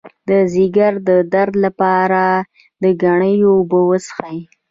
د ځیګر د درد لپاره د ګنیو اوبه وڅښئ